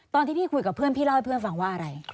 ตอนที่พี่คุยกับเพื่อนพี่เล่าให้เพื่อนฟังว่าอะไร